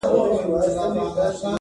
له حیا نه چي سر کښته وړې خجل سوې,